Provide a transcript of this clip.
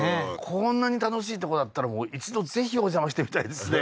こんなに楽しいとこだったら一度ぜひお邪魔してみたいですね